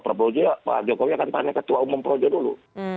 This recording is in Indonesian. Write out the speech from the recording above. pak jokowi akan tanya ketua umum projo dulu